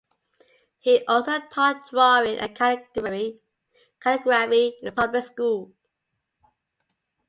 He also taught drawing and calligraphy in the public schools.